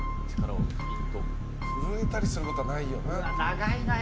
震えたりすることはないよな。